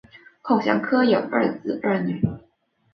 孔祥柯有二子二女